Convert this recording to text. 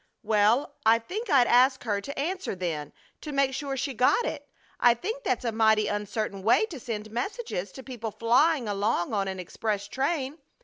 "Well, I think I'd ask her to answer then, to make sure she got it. I think that's a mighty uncertain way to send messages to people flying along on an express train.